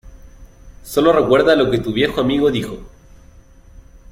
Sólo recuerda lo que tu viejo amigo dijo.